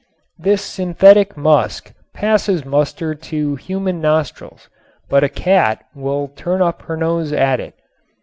This synthetic musk passes muster to human nostrils, but a cat will turn up her nose at it.